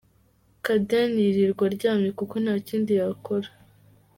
Caden yirirwa aryamye kuko nta kindi yakora.